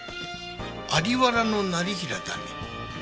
在原業平だね。